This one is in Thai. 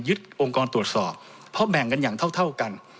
องค์กรตรวจสอบเพราะแบ่งกันอย่างเท่ากัน